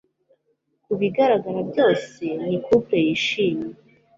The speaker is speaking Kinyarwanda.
Kubigaragara byose, ni couple yishimye.